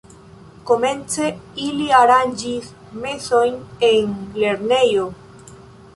Komence ili aranĝis mesojn en lernejo.